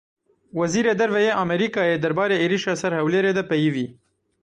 Wezîrê Derve yê Amerîkayê derbarê êrişa ser Hewlêrê de peyivî.